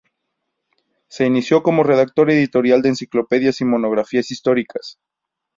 Se inició como redactor editorial de enciclopedias y monografías históricas.